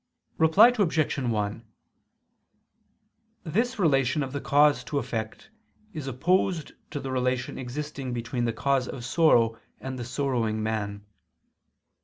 Reply Obj. 1: This relation of the cause to effect is opposed to the relation existing between the cause of sorrow and the sorrowing man.